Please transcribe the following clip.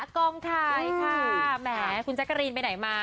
เกะกะกองไถ